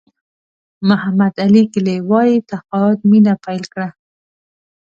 محمد علي کلي وایي تقاعد مینه پیل کړه.